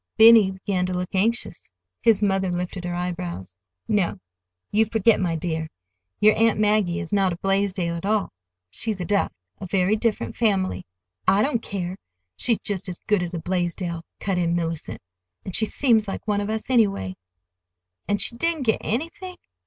Benny began to look anxious. His mother lifted her eyebrows. "No. You forget, my dear. Your Aunt Maggie is not a Blaisdell at all. She's a Duff—a very different family." "I don't care, she's just as good as a Blaisdell," cut in Mellicent; "and she seems like one of us, anyway." "And she didn't get anything?"